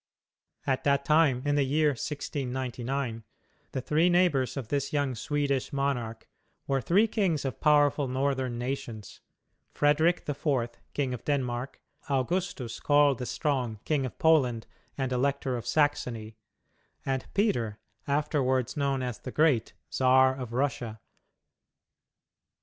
At that time in the year 1699 the three neighbors of this young Swedish monarch were three kings of powerful northern nations Frederick the Fourth, King of Denmark; Augustus, called the Strong, King of Poland and Elector of Saxony, and Peter, afterward known as the Great, Czar of Russia.